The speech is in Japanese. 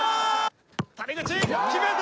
谷口決めた！